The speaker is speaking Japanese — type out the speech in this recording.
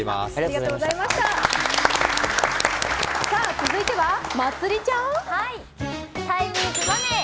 続いては、まつりちゃん。